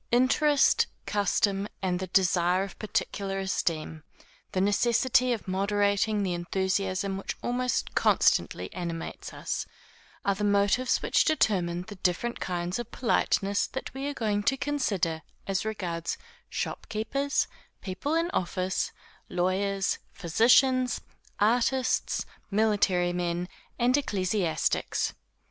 Interest, custom, and the desire of particular esteem, the necessity of moderating the enthusiasm which almost constantly animates us, are the motives which determine the different kinds of politeness that we are going to consider as regards shopkeepers, people in office, lawyers, physicians, artists, military men, and ecclesiastics.